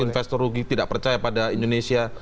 investor rugi tidak percaya pada indonesia